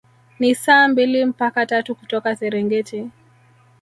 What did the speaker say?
Ni saa mbili mpaka tatu kutoka Serengeti